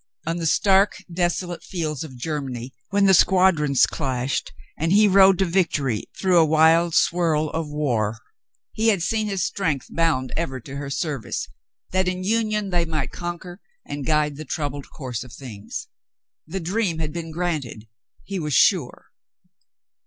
On the stark, desolate fields of Germany, when the squadrons clashed and he rode to victory through a wild whirl of war, he had seen his strength bound ever to her service, that in union they might conquer and guide the troubled course of things. The dream had been granted. He was sure.